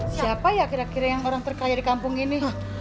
siapa ya kira kira yang orang terkaya di kampung ini